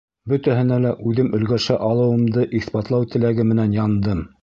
Бөтәһенә лә үҙем өлгәшә алыуымды иҫбатлау теләге менән яндым.